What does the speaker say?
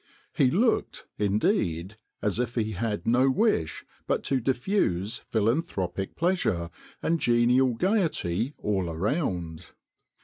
He looked, indeed, as if he had no wish but to diffuse philanthropic pleasure and genial gaiety all around.